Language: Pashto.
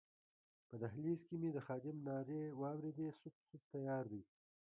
په دهلېز کې مې د خادم نارې واورېدې سوپ، سوپ تیار دی.